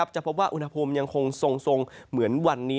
จะพบว่าอุณหภูมิยังคงทรงเหมือนวันนี้